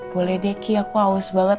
boleh deh kiki aku haus banget